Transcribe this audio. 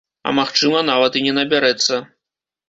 А магчыма, нават і не набярэцца.